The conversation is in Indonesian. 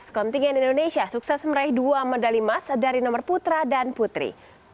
kontingen indonesia sukses meraih dua medali emas dari nomor putra dan putri